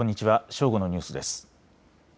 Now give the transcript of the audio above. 正午のニュースです。